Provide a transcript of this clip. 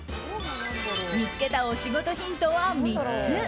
見つけたお仕事ヒントは３つ。